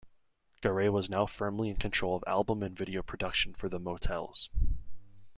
Garay was now firmly in control of album and video production for The Motels.